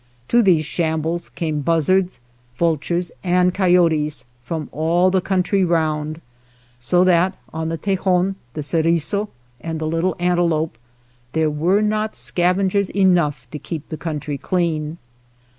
To these sham bles came buzzards, vultures, and coyotes from all the country round, so that on the Tejon, the Ceriso, and the Little Antelope there were not scavengers enough to keep the country clean.